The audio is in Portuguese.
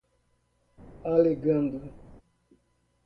alegando